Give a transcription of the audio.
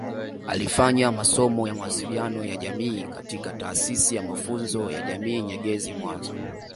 Alifanya masomo ya mawasiliano ya jamii katika Taasisi ya mafunzo ya jamii Nyegezi mwanza